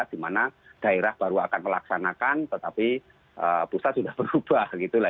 di mana daerah baru akan melaksanakan tetapi pusat sudah berubah gitu lah